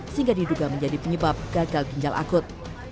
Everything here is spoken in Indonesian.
sehingga diduga menjadi penyebab gagal ginjal akut